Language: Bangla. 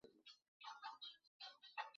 আমার সহকারী লাঞ্চের খাবার নিয়ে আসবে।